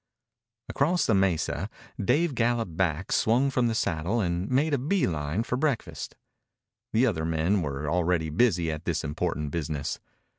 Across the mesa Dave galloped back, swung from the saddle, and made a bee line for breakfast. The other men were already busy at this important business.